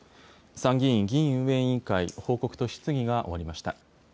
参議院議院運営委員会、報告と質疑が終わりました。